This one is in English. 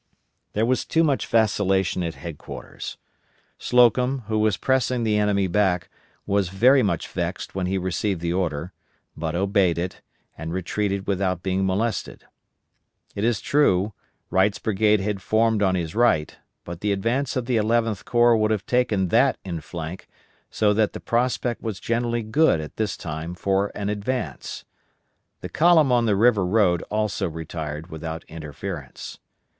There was too much vacillation at headquarters. Slocum, who was pressing the enemy back, was very much vexed when he received the order, but obeyed it, and retreated without being molested. It is true, Wright's brigade had formed on his right, but the advance of the Eleventh Corps would have taken that in flank, so that the prospect was generally good at this time for an advance. The column on the river road also retired without interference.